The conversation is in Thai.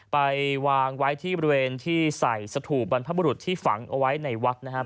ไปวางไว้ที่บริเวณที่ใส่สถูปบรรพบุรุษที่ฝังเอาไว้ในวัดนะครับ